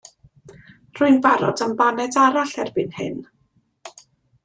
Rwy'n barod am baned arall erbyn hyn.